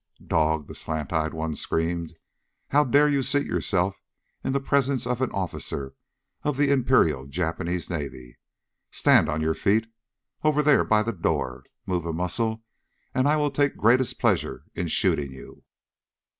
"Dog!" the slant eyed one screamed. "How dare you seat yourself in the presence of an officer of the Imperial Japanese Navy! Stand on your feet. Over there, by the door. Move a muscle and I will take greatest pleasure in shooting you."